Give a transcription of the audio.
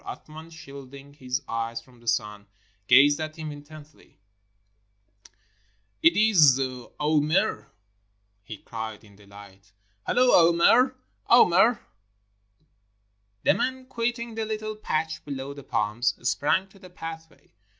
Athman, shielding his eyes from the sun, gazed at him intently. " It is Aouimer," he cried in delight. "Hola ! Aouimer! Aouimer!" The man, quitting the little patch below the palms, sprang to the pathway.